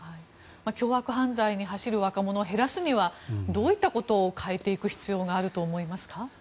凶悪犯罪に走る若者を減らすにはどういったことを変えていく必要があると思いますか？